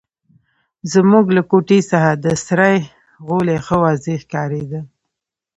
زموږ له کوټې څخه د سرای غولی ښه واضح ښکارېده.